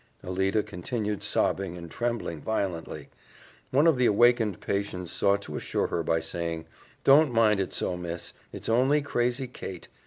Alida continued sobbing and trembling violently. One of the awakened patients sought to assure her by saying, "Don't mind it so, miss. It's only old crazy Kate.